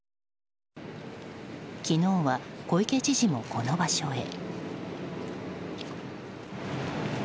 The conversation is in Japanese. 昨日は、小池知事もこの場所へ。